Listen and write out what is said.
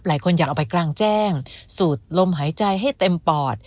หลายคนอยากเอาไปกลางแจ้งสูดลมหายใจให้เต็มปอด